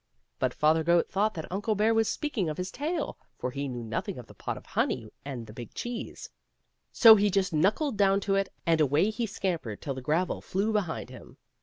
But Father Goat thought that Uncle Bear was speaking of his tail, for he knew nothing of the pot of honey and the big cheese ; so he just knuckled down to it, and away he scampered till the gravel flew behind him.